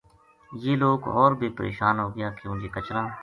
یہ لوک ہور بے پریشان ہو گیا کیوں جے کچراں